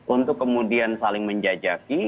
untuk kemudian saling menjajaki